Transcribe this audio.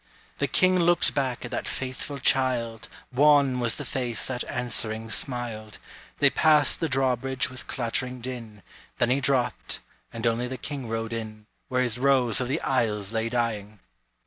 The king looked back at that faithful child; Wan was the face that answering smiled; They passed the drawbridge with clattering din, Then he dropped; and only the king rode in Where his rose of the isles lay dying!